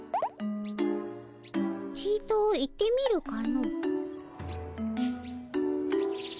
ちと行ってみるかの。